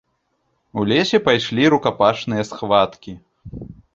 У лесе пайшлі рукапашныя схваткі.